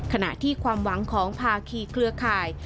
ขณะที่ความหวังของภาคีเครือข่าย